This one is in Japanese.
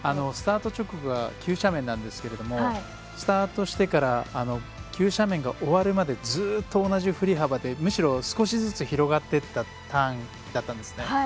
スタート直後が急斜面なんですけれどもスタートしてから急斜面が終わるまでずっと同じ振り幅でむしろ、少しずつ広がっていったターンだったんですね。